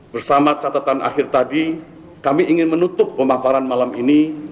bersama catatan akhir tadi kami ingin menutup pemaparan malam ini